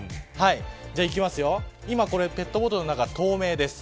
今、ペットボトルの中透明です。